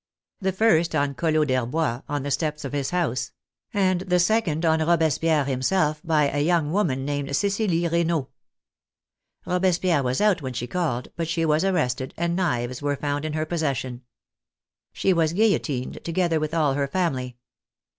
The first on Collot D'Herbois, on the steps of his house ; and the second on Robespierre himself by a young woman named Cecilie Renault. Robespierre was out when she called, but she was arrested, and knives were found in her possession. She was guillotined, together with all her family.